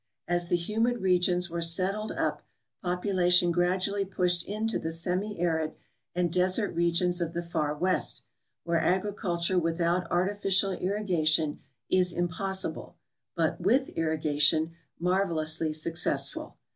As the humid regions were settled up popu lation gradually pushed into the semi arid and desert regions of the for west, where agriculture without artificial irrigation is im possible, but ivith irrigation marvelously successful.